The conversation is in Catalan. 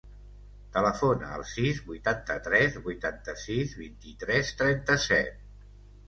Telefona al sis, vuitanta-tres, vuitanta-sis, vint-i-tres, trenta-set.